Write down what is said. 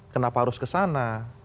kenapa harus kesana